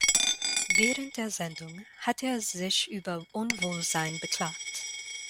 Während der Sendung hatte er sich über Unwohlsein beklagt.